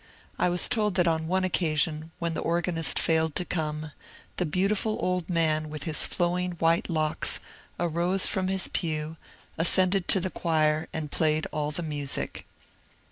I was told that on one occasion, when the organist failed to come, the beautiful old man with his flowing white locks arose from his pew, ascended to the choir, and played all the music.